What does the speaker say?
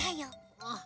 あっ。